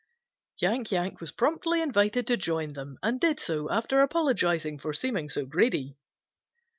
Yank Yank was promptly invited to join them and did so after apologizing for seeming so greedy.